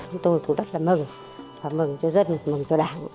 chúng tôi cũng rất là mừng và mừng cho dân mừng cho đảng